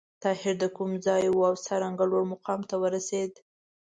طاهر د کوم ځای و او څرنګه لوړ مقام ته ورسېد؟